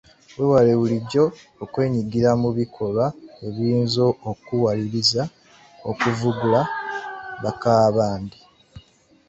Weewale bulijjo okwenyigira mu bikolwa ebiyinza okukuwaliriza okuvugula bakaabandi.